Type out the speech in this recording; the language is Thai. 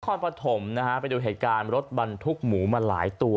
นครปฐมนะฮะไปดูเหตุการณ์รถบรรทุกหมูมาหลายตัว